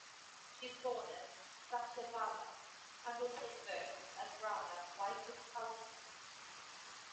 She is born as Satyabhama and will take birth as Rama wife of Kalki.